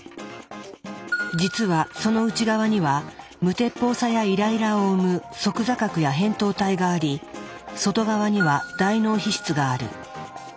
実はその内側には無鉄砲さやイライラを生む側坐核や扁桃体があり外側には大脳皮質がある。